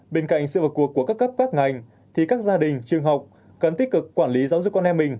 bên cạnh sự vào cuộc của các cấp các ngành thì các gia đình trường học cần tích cực quản lý giáo dục con em mình